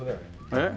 えっ？